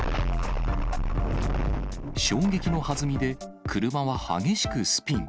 衝撃のはずみで、車は激しくスピン。